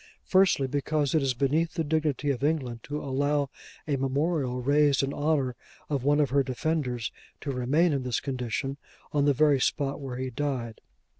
Firstly, because it is beneath the dignity of England to allow a memorial raised in honour of one of her defenders, to remain in this condition, on the very spot where he died.